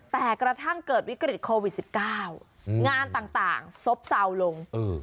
แต่กระทั่งเกิดวิกฤตโควิดสิบเก้างานต่างซบเซาลงอืม